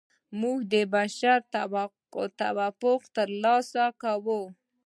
موږ د بشر توافق ترلاسه کوو.